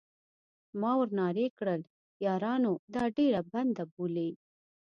ما ور نارې کړل: یارانو دا ډبره بنده بولئ.